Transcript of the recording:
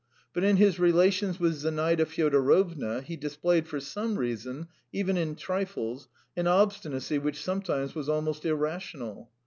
But in his relations with Zinaida Fyodorovna he displayed for some reason, even in trifles, an obstinacy which sometimes was almost irrational.